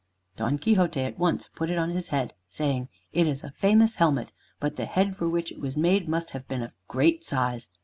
Don Quixote at once put it on his head, saying, "It is a famous helmet, but the head for which it was made must have been of great size.